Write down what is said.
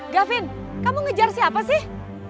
gavin kamu ngejar siapa sih